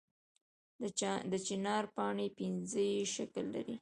د چنار پاڼې پنجه یي شکل لري